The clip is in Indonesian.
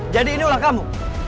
jadi ini ulah kamu